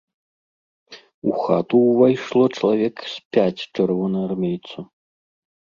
У хату ўвайшло чалавек з пяць чырвонаармейцаў.